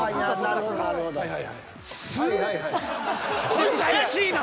こいつ怪しいな。